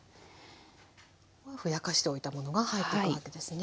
ふやかしておいたものが入ってくわけですね。